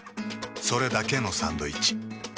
それだけのサンドイッチ。